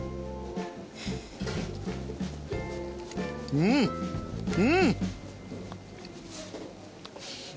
うんうん。